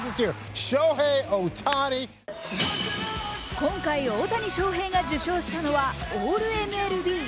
今回大谷翔平が受賞したのはオールＭＬＢ。